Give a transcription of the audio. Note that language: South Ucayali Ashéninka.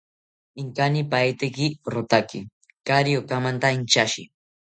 Inkanipaeteki rotaki kaari okamanta inchashi